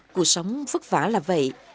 cuộc sống vất vả là vậy